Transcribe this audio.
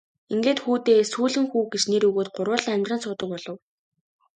Ингээд хүүдээ Сүүлэн хүү гэж нэр өгөөд гурвуулаа амьдран суудаг болов.